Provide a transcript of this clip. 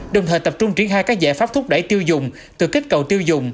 đồng thời tập trung triển khai các giải pháp thúc đẩy tiêu dùng từ kích cầu tiêu dùng